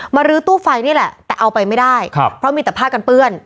รื้อตู้ไฟนี่แหละแต่เอาไปไม่ได้ครับเพราะมีแต่ผ้ากันเปื้อน